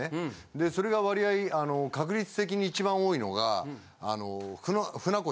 でそれが割合確率的に一番多いのが。